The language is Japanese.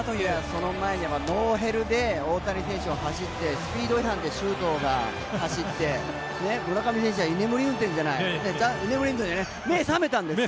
その前にノーヘルで大谷選手が走ってスピード違反で周東が走って村上選手は居眠り運転居眠り運転から目が覚めたんですよ。